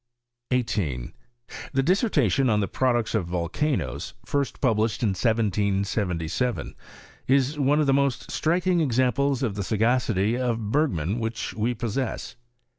18. The dissertation on the products of volcanoes, first published in 1777, is one of the most striking examples of the sagacity of Bergman which we pos sess.